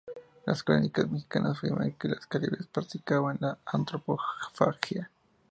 Las crónicas mexicanas afirman que los caribes practicaban la antropofagia.